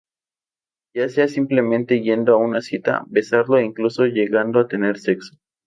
Ya sea simplemente yendo a una cita, besarlo e incluso llegando a tener sexo.